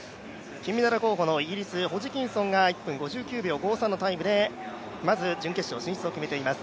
金メダル候補のイギリス、ホジキンソンが１分５９秒５３のタイムでまず準決勝進出を決めています。